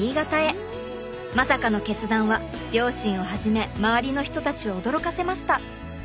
まさかの決断は両親をはじめ周りの人たちを驚かせました。